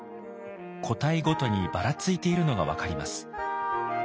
個体ごとにばらついているのが分かります。